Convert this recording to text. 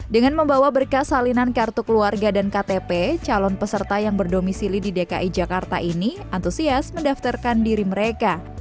dengan membawa berkas salinan kartu keluarga dan ktp calon peserta yang berdomisili di dki jakarta ini antusias mendaftarkan diri mereka